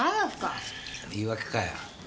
言い訳かよ。